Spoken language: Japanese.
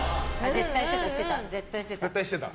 絶対してた。